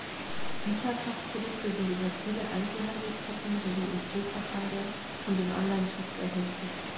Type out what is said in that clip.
Vitakraft-Produkte sind über viele Einzelhandelsketten sowie im Zoofachhandel und in Onlineshops erhältlich.